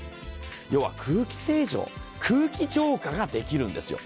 要は空気清浄、空気浄化ができるんですよ。